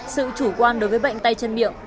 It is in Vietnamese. sự chủ quan đối với bệnh tay chân miệng